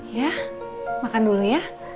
ya makan dulu ya